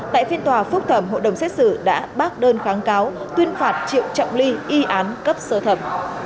tại phiên tòa phúc thẩm hội đồng xét xử đã bác đơn kháng cáo tuyên phạt triệu trọng ly y án cấp sơ thẩm